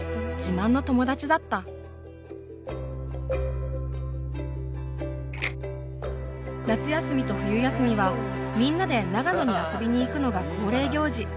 自慢の友達だった夏休みと冬休みはみんなで長野に遊びに行くのが恒例行事。